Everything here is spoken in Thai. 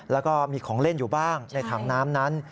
แล้วก็มีของเล่นอยู่บ้างในถังน้ำนั้น